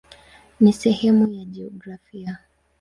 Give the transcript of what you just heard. Ni sehemu ya jiografia.